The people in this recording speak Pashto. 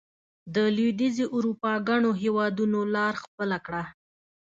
د لوېدیځې اروپا ګڼو هېوادونو لار خپله کړه.